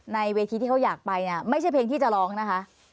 ในเวทีที่เขาอยากไปเนี่ยไม่ใช่เพลงที่จะร้องนะคะ